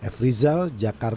f rizal jakarta